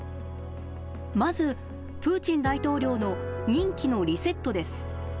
まずプーチン大統領の任期のリセットです。